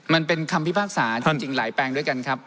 มันเป็นคำพิพากษาจริงหลายแปลงด้วยกันครับ